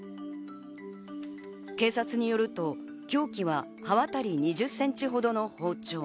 警察によると、凶器は刃渡り２０ｃｍほどの包丁。